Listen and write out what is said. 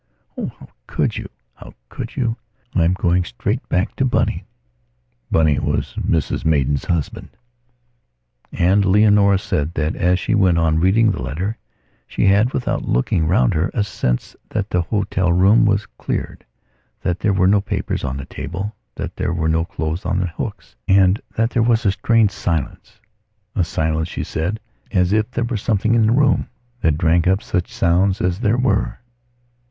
Oh, how could you? How could you? I am going straight back to Bunny...." Bunny was Mrs Maidan's husband. And Leonora said that, as she went on reading the letter, she had, without looking round her, a sense that that hotel room was cleared, that there were no papers on the table, that there were no clothes on the hooks, and that there was a strained silencea silence, she said, as if there were something in the room that drank up such sounds as there were.